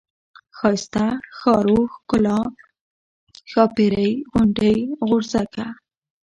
ښايسته ، ښارو ، ښکلا ، ښاپيرۍ ، غونډۍ ، غورځکه ،